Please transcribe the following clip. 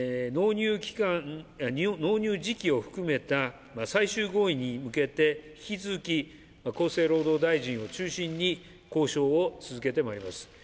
納入時期を含めた最終合意に向けて、引き続き厚生労働大臣を中心に交渉を続けてまいります。